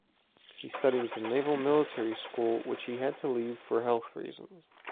He studied at the Naval Military School, which he had to leave for health reasons.